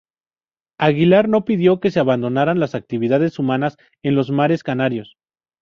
Aguilar no pidió que se abandonaran las actividades humanas en los mares canarios.